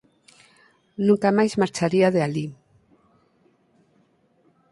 Nunca máis marcharía de alí.